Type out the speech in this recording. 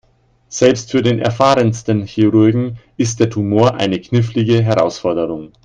Selbst für den erfahrensten Chirurgen ist der Tumor eine knifflige Herausforderung.